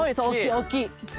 大っきい。